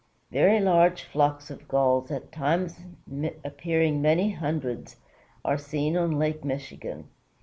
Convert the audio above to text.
Very large flocks of Gulls, at times appearing many hundreds, are seen on Lake Michigan.